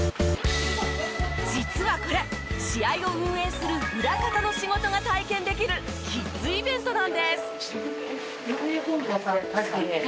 実はこれ試合を運営する裏方の仕事が体験できるキッズイベントなんです。